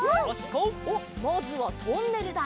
おっまずはトンネルだ。